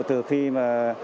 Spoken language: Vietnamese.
từ khi mà